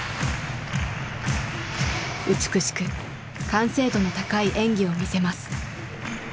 美しく完成度の高い演技を見せます。